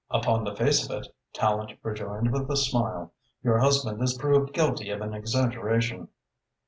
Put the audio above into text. "Upon the face of it," Tallente rejoined, with a smile, "your husband is proved guilty of an exaggeration."